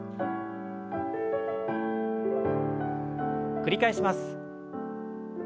繰り返します。